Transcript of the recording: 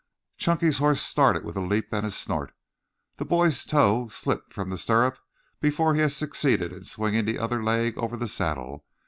Chunky's horse started with a leap and a snort. The boy's toe slipped from the stirrup before he had succeeded in swinging the other leg over the saddle.